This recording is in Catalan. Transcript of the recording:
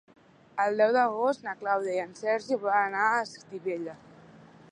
El deu d'agost na Clàudia i en Sergi volen anar a Estivella.